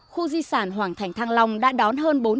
khu di sản hoàng thành thăng long đã đón hơn